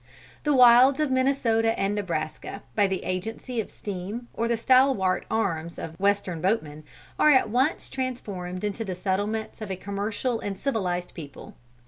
"The wilds of Minnesota and Nebraska, by the agency of steam or the stalwart arms of Western boatmen, are at once transformed into the settlements of a commercial and civilized people.